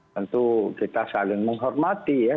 tentu kita saling menghormati ya